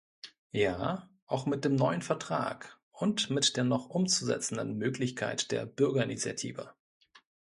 Ja, auch mit dem neuen Vertrag und mit der noch umzusetzenden Möglichkeit der Bürgerinitiative.